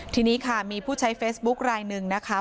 ทีนี้ค่ะมีผู้ใช้เฟซบุ๊คลายหนึ่งนะคะ